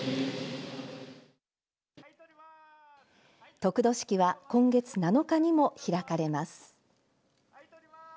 得度式は今月７日にも開かれます。